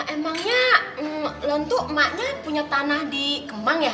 emangnya lonto emaknya punya tanah di kemang ya